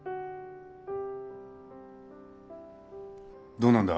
どうなんだ？